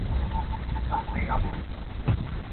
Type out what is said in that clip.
تشه لاسه ته مي دښمن یې ,